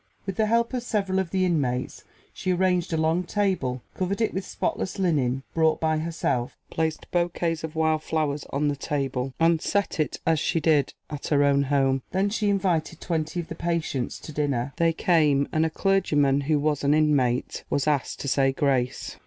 With the help of several of the inmates she arranged a long table, covered it with spotless linen brought by herself, placed bouquets of wild flowers on the table, and set it as she did at her own home. Then she invited twenty of the patients to dinner. They came, and a clergyman, who was an inmate, was asked to say grace.